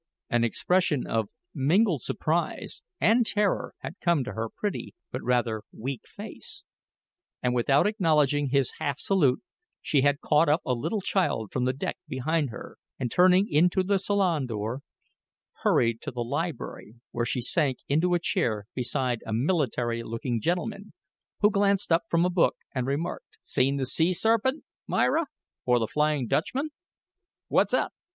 An expression of mingled surprise and terror had come to her pretty, but rather weak face; and without acknowledging his half salute, she had caught up a little child from the deck behind her, and turning into the saloon door, hurried to the library, where she sank into a chair beside a military looking gentleman, who glanced up from a book and remarked: "Seen the sea serpent, Myra, or the Flying Dutchman? What's up?"